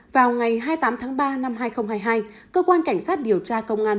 vào ngày hai mươi tám tháng ba năm hai nghìn hai mươi hai cơ quan cảnh sát điều tra công an